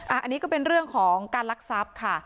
อะนี่ก็เป็นเรื่องของการรักษัพค่ะ